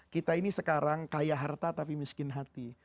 kita ini sekarang kaya harta tapi miskin hati